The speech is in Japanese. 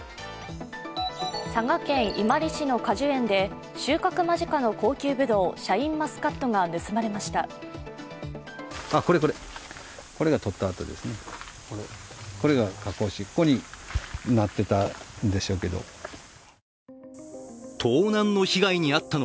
佐賀県伊万里市の果樹園で収穫間近の高級ブドウシャインマスカットが盗まれました。